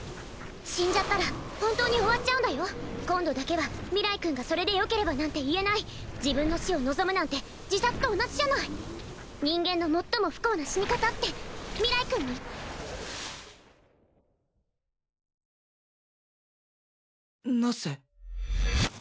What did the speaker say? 死んじゃったら本当に終わっちゃうんだよ今度だけは明日君がそれでよければなんて言えない自分の死を望むなんて自殺と同じじゃない人間の最も不幸な死に方って明日君も言ナッセ？